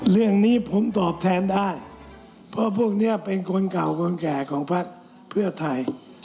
เรื่องนี้ผมตอบแทนได้เพราะพวกนี้เป็นคนเก่าคนแก่ของพักเพื่อไทย